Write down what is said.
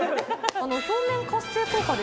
表面活性効果で。